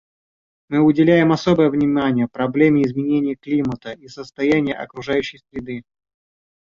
Мы уделяем особое внимание проблеме изменения климата и состояния окружающей среды.